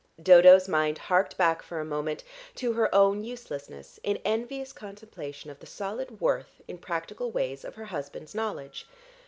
Dodo's mind harked back for a moment to her own uselessness in envious contemplation of the solid worth, in practical ways, of her husband's knowledge.